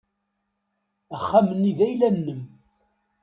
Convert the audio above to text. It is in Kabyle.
Axxam-nni d ayla-nnem.